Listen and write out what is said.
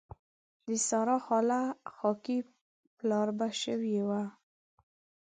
د سارا خاله خاکي بلاربه شوې ده.